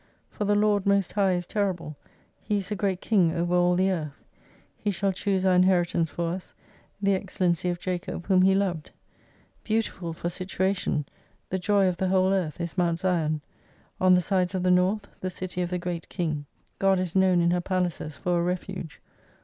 For the Lord most high is terrible, He is a Great King over all the Earth. He shall choose our inheritance for us, the excellency of Jacob whom He loved. Beautiful for situation, the joy of the whole earth is Mount Sion ; on the sides of the north, the city of the Great Kijig. God is known in her palaces for a refuge.